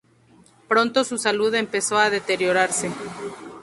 Pronto su salud empezó a deteriorarse.